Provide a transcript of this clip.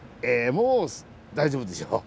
もう大丈夫でしょう。